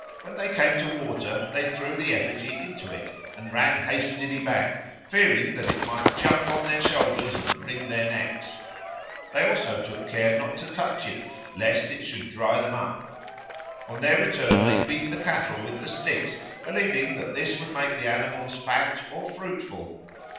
When they came to water they threw the effigy into it and ran hastily back, fearing that it might jump on their shoulders and wring their necks. They also took care not to touch it, lest it should dry them up. On their return they beat the cattle with the sticks, believing that this would make the animals fat or fruitful.